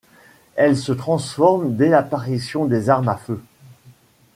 Elles se transforment dès l'apparition des armes à feu.